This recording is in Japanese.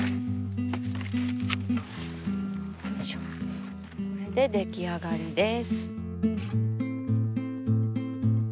よいしょこれで出来上がりです。